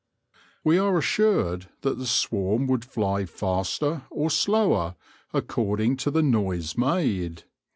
We are assured that the swarm would fly faster, or slower, according to the noise made.